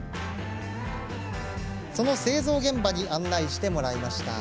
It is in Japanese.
その製造現場に案内してもらいました。